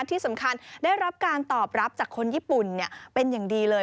ที่สำคัญได้รับการตอบรับจากคนญี่ปุ่นเป็นอย่างดีเลย